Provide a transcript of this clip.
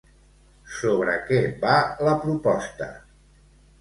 Sobre què va la proposta?